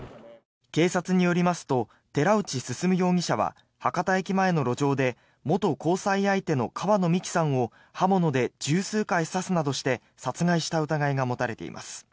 警察によりますと寺内進容疑者は博多駅前の路上で元交際相手の川野美樹さんを刃物で１０数回刺すなどして殺害した疑いが持たれています。